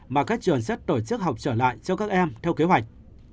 mà các trường sẽ tổ chức học trở lại cho các em theo kế hoạch